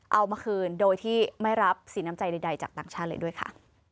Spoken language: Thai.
เอามาคืนโดยที่ไม่รับสีน้ำใจใดจากต่างชาติเลยด้วยค่ะ